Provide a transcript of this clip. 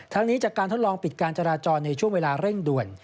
นี้จากการทดลองปิดการจราจรในช่วงเวลาเร่งด่วน